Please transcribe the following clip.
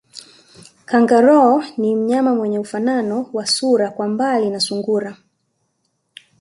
Kangaroo ni mnyama mwenye ufanano wa sura kwa mbali na sungura